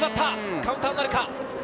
カウンターになるか？